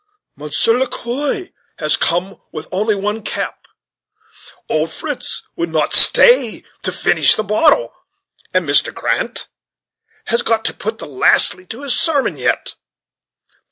Monsieur Le Quoi has come out with only one cap; Old Fritz would not stay to finish the bottle; and Mr. Grant has got to put the 'lastly' to his sermon, yet.